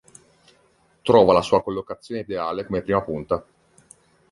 Trova la sua collocazione ideale come prima punta.